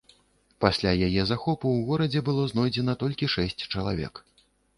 Пасля яе захопу ў горадзе было знойдзена толькі шэсць чалавек.